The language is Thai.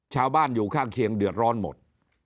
ชาวบ้านอยู่ข้างเคียงเดือดร้อนหมด